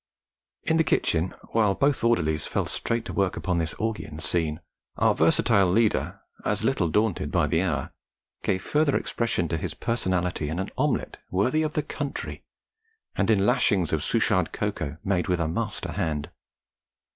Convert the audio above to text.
In the kitchen, while both orderlies fell straight to work upon this Augean scene, our versatile leader, as little daunted by the hour, gave further expression to his personality in an omelette worthy of the country, and in lashings of Suchard cocoa made with a master hand.